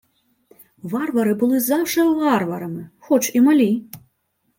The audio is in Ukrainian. — Варвари були завше варварами, хоч і малі.